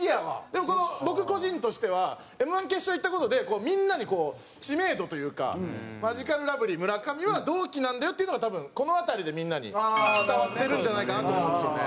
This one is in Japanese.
でも僕個人としてはＭ−１決勝行った事でみんなにこう知名度というかマヂカルラブリー村上は同期なんだよっていうのが多分この辺りでみんなに伝わってるんじゃないかなって思うんですよね。